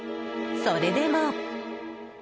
それでも。